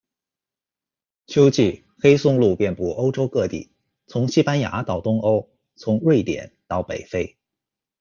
秋季黑松露遍布欧洲各地，从西班牙到东欧，从瑞典到北非。